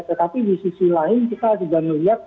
tetapi di sisi lain kita juga melihat